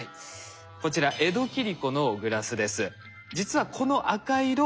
こちら江戸切子のグラスです。